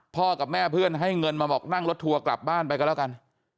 กับแม่เพื่อนให้เงินมาบอกนั่งรถทัวร์กลับบ้านไปก็แล้วกัน